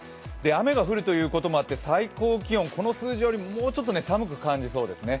雨が降ることもあって最高気温、この数字よりもうちょっと寒く感じそうですね。